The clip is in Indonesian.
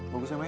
bagus ya mai